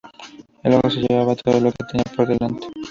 El agua se llevaba todo lo que tenía por delante.